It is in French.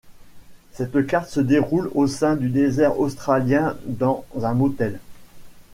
Cette carte se déroule au sein du désert australien dans un motel.